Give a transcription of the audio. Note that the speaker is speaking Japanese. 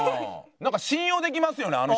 なんか信用できますよね